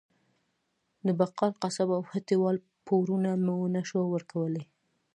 د بقال، قصاب او هټۍ وال پورونه مو نه شو ورکولی.